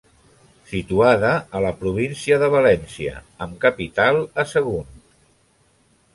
Situada a la província de València, amb capital a Sagunt.